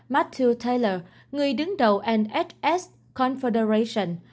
matthew taylor người đứng đầu nhs confederation